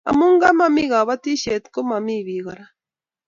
Amu ngomomi kobotisiet komomi bik kora